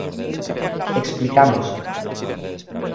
Explicamos.